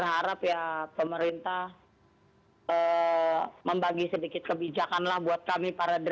ya saya sih berharap ya pemerintah membagi sedikit kebijakan lah buat kami para driver